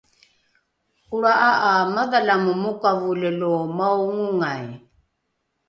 ’olra’a ’a madhalame mokavole lo maongongai